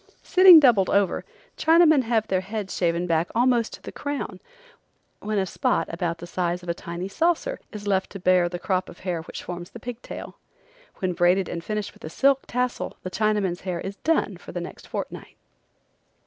Sitting doubled over, Chinamen have their heads shaven back almost to the crown, when a spot about the size of a tiny saucer is left to bear the crop of hair which forms the pig tail. When braided and finished with a silk tassel the Chinaman's hair is "done" for the next fortnight.